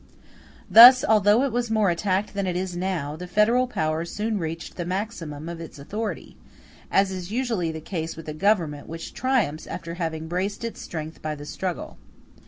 Thus, although it was more attacked than it is now, the federal power soon reached the maximum of its authority, as is usually the case with a government which triumphs after having braced its strength by the struggle.